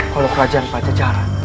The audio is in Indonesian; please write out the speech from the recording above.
kalau kerajaan pejajaran